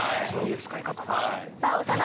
そういう使い方も。